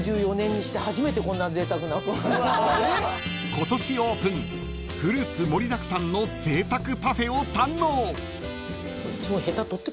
［今年オープンフルーツ盛りだくさんのぜいたくパフェを堪能］